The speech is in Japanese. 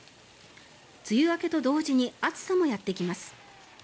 梅雨明けと同時に暑さもやってきます。